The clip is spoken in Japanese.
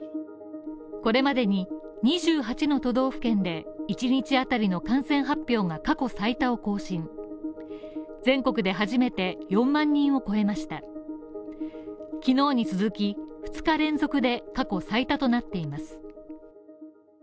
これまでに２８の都道府県で１日当たりの感染発表が過去最多を更新、全国で初めて４万人を超えました昨日に続き２日連続で過去最多となっています。